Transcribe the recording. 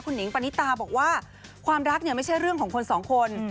หนิงปณิตาบอกว่าความรักเนี่ยไม่ใช่เรื่องของคนสองคน